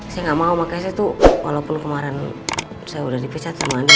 saya nggak mau makanya saya tuh walaupun kemarin saya udah dipisah sama anda